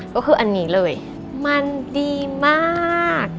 ก็คืออันนี้เลยมันดีมาก